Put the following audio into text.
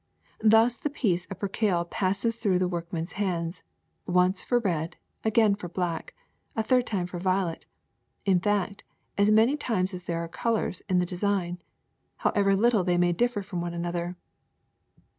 Thus the piece of percale passes through the workman's hands once for red, again for black, a third time for violet, in fact as many times as there are colors in the de sign, however little they may differ from one an other.